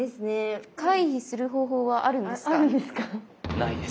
回避する方法はあるんですか？